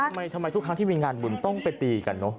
ทำไมทุกครั้งที่มีงานบุญต้องไปตีกันเนอะ